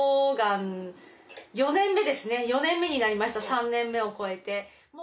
３年目を越えて。